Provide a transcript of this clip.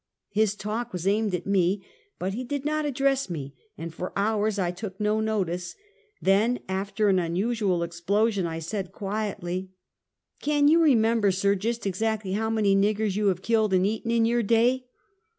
His talk was aimed at me, but he did not address me, and for hours I took no notice; then, after an unusual explosion, I said quietly: " Can you remember, sir, just exactly how many niggers you have killed and eaten in your day?"